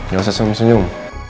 gak usah senyum senyum